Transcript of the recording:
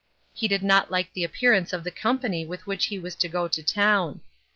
He did not like the appearance of the company with which he was to go to fcown.